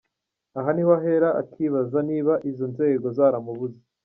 Aha ni ho ahera akibaza niba izo nzego zaramubuze.